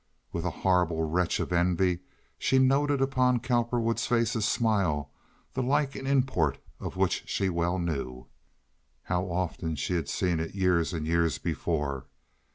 With a horrible retch of envy she noted upon Cowperwood's face a smile the like and import of which she well knew. How often she had seen it years and years before!